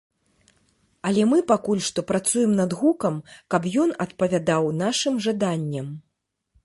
Але мы пакуль што працуем над гукам, каб ён адпавядаў нашым жаданням.